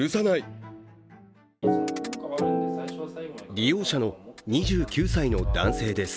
利用者の２９歳の男性です。